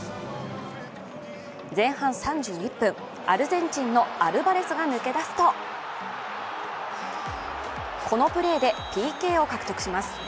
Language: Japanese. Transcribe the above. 前半３１分、アルゼンチンのアルバレスが抜け出すとこのプレーでＰＫを獲得します。